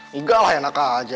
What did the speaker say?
enggak lah enak aja